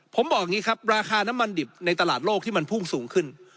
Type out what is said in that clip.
ผมบอกอย่างนี้ครับราคาน้ำมันดิบในตลาดโลกที่มันพุ่งสูงขึ้น